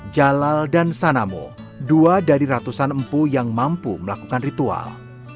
jalal dan sanamo dua dari ratusan empu yang mampu melakukan ritual